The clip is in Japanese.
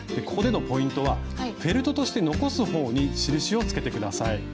ここでのポイントはフェルトとして残す方に印を付けて下さい。